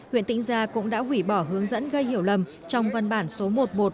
huyện tỉnh gia cũng đã hủy bỏ hướng dẫn gây hiểu lầm trong văn bản số một nghìn một trăm một mươi ba